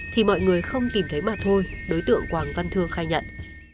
thì mọi người không tìm thấy mà thôi đối tượng quảng văn thương khai nhận